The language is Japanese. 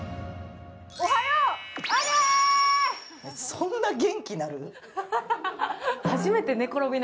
そんな元気なる！？